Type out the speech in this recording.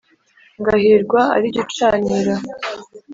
Ngahirwa ari jye ucanira,